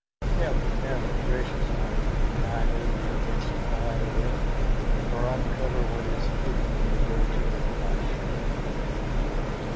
Never, never, gracious Bacchus, may I move thee 'gainst thy will, Or uncover what is hidden in the verdure of thy shade!